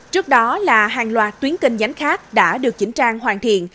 trước đó là hàng loạt tuyến kênh nhánh khác đã được chỉnh trang hoàn thiện